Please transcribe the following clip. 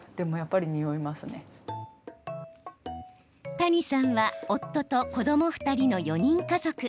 谷さんは、夫と子ども２人の４人家族。